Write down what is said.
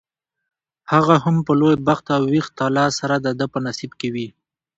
هغه هم په لوی بخت او ویښ طالع سره دده په نصیب کې وي.